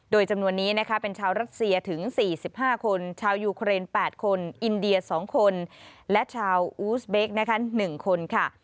โดยจำนวนนี้นะคะเป็นชาวรัสเซียถึง๔๕คนชาวยูเครน๘คนอินเดีย๒คนและชาวอูสเบคนะคะ๑คนค่ะ